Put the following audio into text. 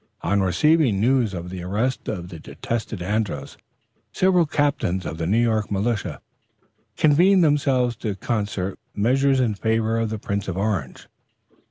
On receiving news of the arrest of the detested Andros, several captains of the New York militia convened themselves to concert measures in favor of the Prince of Orange.